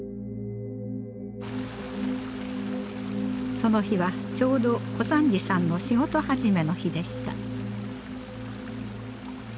その日はちょうど小三治さんの仕事始めの日でした。